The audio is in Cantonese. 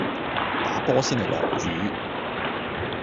打波先嚟落雨